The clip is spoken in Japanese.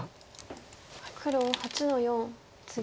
黒８の四ツギ。